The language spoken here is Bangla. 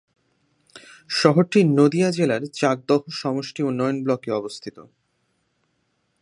শহরটি নদিয়া জেলার চাকদহ সমষ্টি উন্নয়ন ব্লকে অবস্থিত।